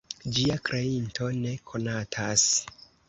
Ĝia kreinto ne konatas.